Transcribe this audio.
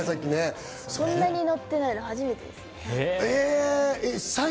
こんなに乗ってないのは初めてです。